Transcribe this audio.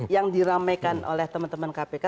yang diramaikan oleh teman teman kpk